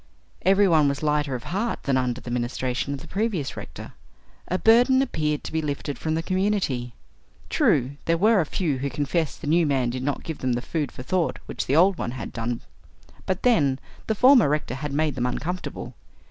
Every one was lighter of heart than under the ministration of the previous rector. A burden appeared to be lifted from the community. True, there were a few who confessed the new man did not give them the food for thought which the old one had done, but, then, the former rector had made them uncomfortable!